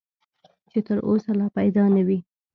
چې تر اوسه لا پیدا نه وي .